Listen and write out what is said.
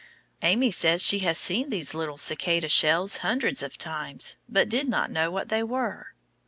Amy says she has seen these little cicada shells hundreds of times but did not know what they were.